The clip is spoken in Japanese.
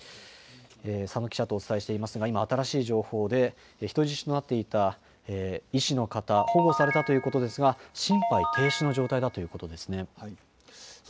佐野記者とお伝えしていますが、今、新しい情報で、人質となっていた、医師の方、保護されたということですが、心肺停止の状態だということですね。